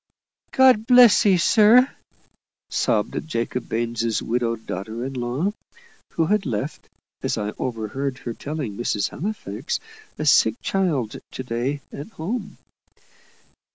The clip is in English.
"God bless 'ee, sir!" sobbed Jacob Baines' widowed daughter in law, who had left, as I overheard her telling Mrs. Halifax, a sick child to day at home.